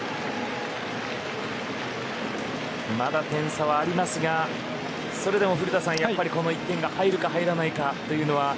まだ点差はありますがそれでも古田さん、この１点が入るか入らないかというのは。